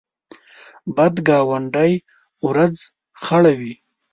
بد ګاونډی ورځ خړوي